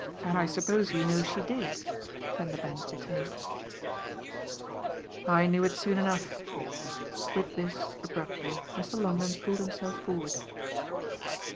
"And I suppose you know she did," Vanderbank returned. "I knew it soon enough!" With this, abruptly, Mr. Longdon pulled himself forward.